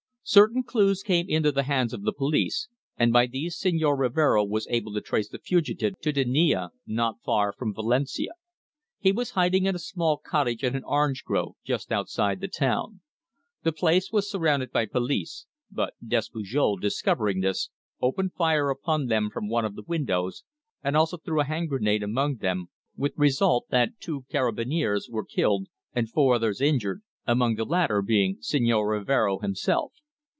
"Certain clues came into the hands of the police, and by these Señor Rivero was able to trace the fugitive to Denia, not far from Valencia. He was hiding in a small cottage in an orange grove just outside the town. The place was surrounded by police, but Despujol, discovering this, opened fire upon them from one of the windows and also threw a hand grenade among them, with result that two carabineers were killed and four others injured, among the latter being Señor Rivero himself.